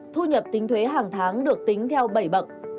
thu nhập tính thuế hàng tháng được tính theo bảy bậc